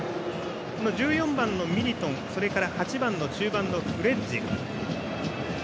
１４番のミリトン８番の中盤のフレッジ。